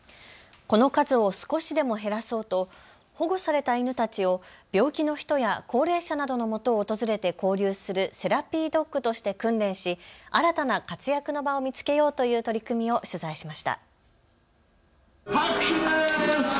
この数を少しでも減らそうと保護された犬たちを病気の人や高齢者などのもとを訪れて交流するセラピードッグとして訓練し新たな活躍の場を見つけようという取り組みを取材しました。